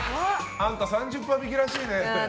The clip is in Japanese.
あんた３０％引きらしいねって。